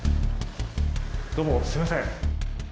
どうもすいません。